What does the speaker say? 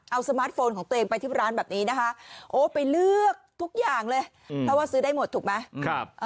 เอาสมาร์ทโฟนของตัวเองไปที่ร้านแบบนี้นะคะโอ้ไปเลือกทุกอย่างเลยเพราะว่าซื้อได้หมดถูกไหม